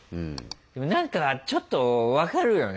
でも何かちょっと分かるよね